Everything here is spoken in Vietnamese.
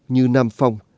như nam phong